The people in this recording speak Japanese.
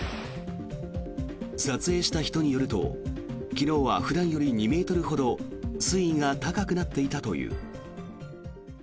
撮影した人によると昨日は普段より２ｍほど水位が高くなっていたという。